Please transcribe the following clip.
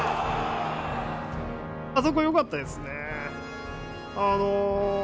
あそこ、よかったですね